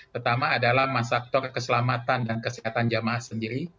pertama adalah faktor keselamatan dan kesehatan jemaah sendiri